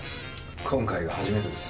今回が初めてです。